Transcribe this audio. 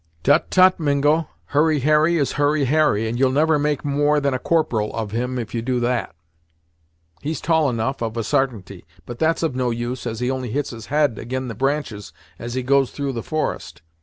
"Tut tut Mingo; Hurry Harry is Hurry Harry, and you'll never make more than a corporal of him, if you do that. He's tall enough, of a sartainty; but that's of no use, as he only hits his head ag'in the branches as he goes through the forest.